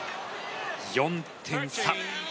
４点差。